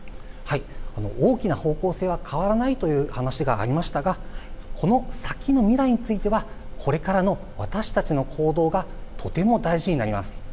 大きな方向性は変わらないという話がありましたがこの先の未来についてはこれからの私たちの行動がとても大事になります。